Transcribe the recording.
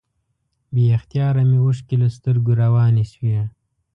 بې اختیاره مې اوښکې له سترګو روانې شوې.